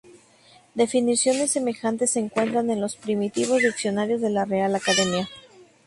Definiciones semejantes se encuentran en los primitivos diccionarios de la Real Academia.